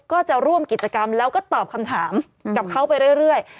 ก็จะร่วมกิจกรรมแล้วก็ตอบคำถามกับเขาไปเรื่อย